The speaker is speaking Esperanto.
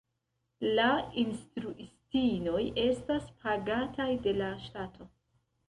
La instruistinoj estas pagataj de la ŝtato.